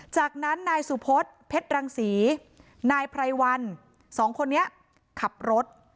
จากนั้นนายสุพศเพชรรังศรีนายไพรวันสองคนนี้ขับรถ